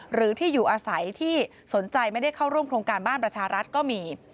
หรือที่อยู่อาศัยที่สนใจไม่ได้เข้าร่วมโครงการบ้านประชารัฐก็มี